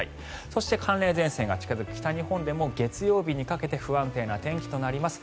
そして寒冷前線が近付く北日本でも、月曜日にかけて不安定な天気となります。